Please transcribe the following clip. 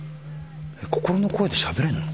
心の声でしゃべれんの？